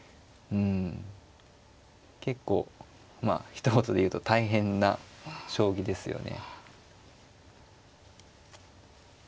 うん結構まあひと言で言うと大変な将棋ですよね。